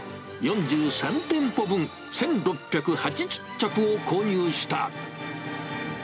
４３店舗分、１６８０着を購入した。